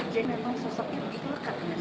jangan sosepir dikat dengan